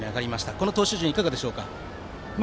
この投手陣、いかがですか。